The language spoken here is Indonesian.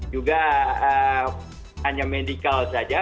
juga hanya medical saja